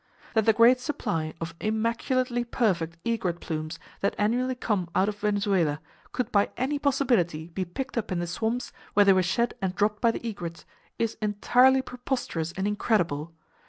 That the great supply of immaculately perfect egret plumes that annually come out of Venezuela could by any possibility be picked up in the [Page 129] swamps where they were shed and dropped by the egrets, is entirely preposterous and incredible.